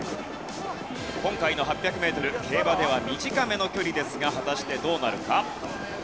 今回の８００メートル競馬では短めの距離ですが果たしてどうなるか？